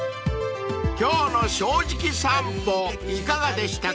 ［今日の『正直さんぽ』いかがでしたか？］